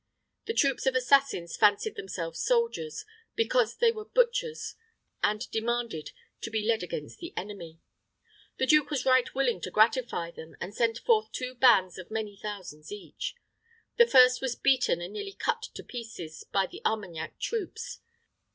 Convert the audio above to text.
The troops of assassins fancied themselves soldiers, because they were butchers, and demanded to be led against the enemy. The duke was right willing to gratify them, and sent forth two bands of many thousands each. The first was beaten and nearly cut to pieces by the Armagnac troops.